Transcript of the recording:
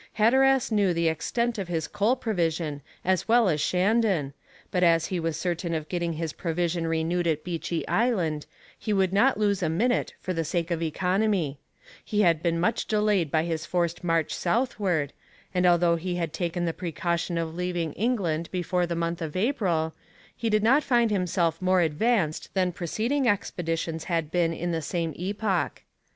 Hatteras knew the extent of his coal provision as well as Shandon, but as he was certain of getting his provision renewed at Beechey Island he would not lose a minute for the sake of economy; he had been much delayed by his forced march southward, and although he had taken the precaution of leaving England before the month of April, he did not find himself more advanced than preceding expeditions had been at the same epoch.